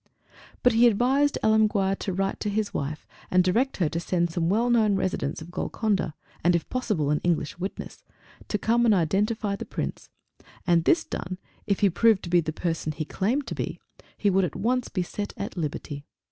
But he advised Alemguir to write to his wife and direct her to send some well known residents of Golconda, and if possible an English witness, to come and identify the Prince; and this done, if he proved to be the person he claimed to be, he would at once be set at liberty.